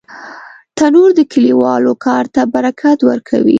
تنور د کلیوالو کار ته برکت ورکوي